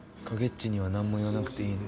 ちには何も言わなくていいの？